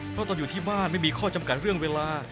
เพราะตอนอยู่ที่บ้านไม่มีข้อจำกัดเรื่องเวลา